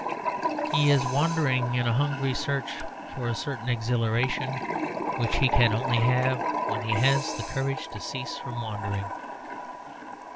He is wandering in a hungry search for a certain exhilaration which he can only have when he has the courage to cease from wandering.